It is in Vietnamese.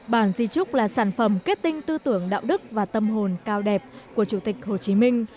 bản di trúc là sản phẩm kết tinh tư tưởng đạo đức và tâm hồn cao đẹp của chủ tịch hồ chí minh